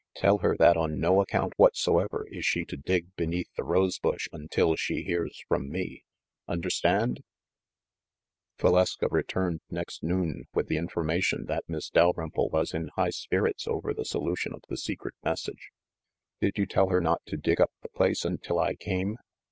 "Tell her that on no account whatsoever is she to dig beneath the rose bush until she hears from me ! Understand ?" Valeska returned next noon with the information that Miss Dalrymple was in high spirits over the solu tion of the secret message. "Did you tell her not to dig up the place until I came?"